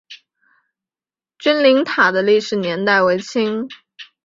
君灵塔的历史年代为清。